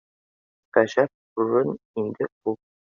Ғәжәп урын инде ул